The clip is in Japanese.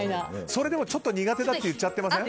それでもちょっと苦手だと言っちゃってません？